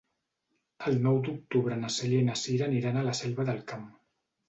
El nou d'octubre na Cèlia i na Cira aniran a la Selva del Camp.